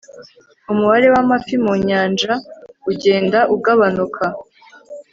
umubare w'amafi mu nyanja ugenda ugabanuka